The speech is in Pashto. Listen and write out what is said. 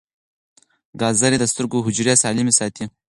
ګازرې د سترګو حجرې سالمې ساتي.